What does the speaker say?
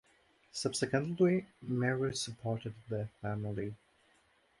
Subsequently, Mary supported their family.